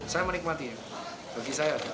saya menikmati bagi saya